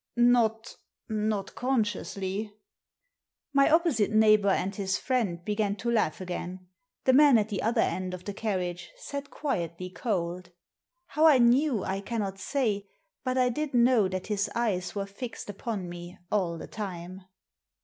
" Not — not consciously." My opposite neighbour and his friend began to laugh again. The man at the other end of the carriage sat quietly cold. How I knew I cannot say, but I did know that his eyes were fixed ypon me all the time.